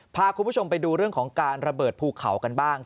พาคุณผู้ชมไปดูเรื่องของการระเบิดภูเขากันบ้าง